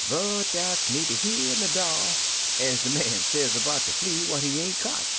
But dat 's needer here ner dar, ez de man sez 'bout de flea what he ain't cotch.